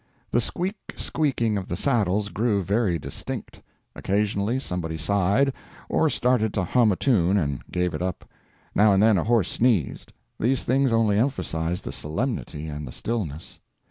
The squeak squeaking of the saddles grew very distinct; occasionally somebody sighed, or started to hum a tune and gave it up; now and then a horse sneezed. These things only emphasised the solemnity and the stillness.